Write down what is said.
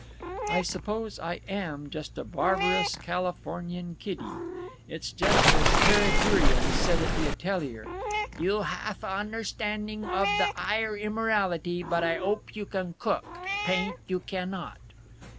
I suppose I am just a barbarous Californian kiddy. It's just as Pere Dureon said at the atelier, "You haf a' onderstanding of the 'igher immorality, but I 'ope you can cook—paint you cannot."